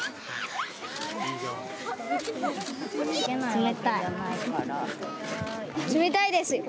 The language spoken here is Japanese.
冷たいです。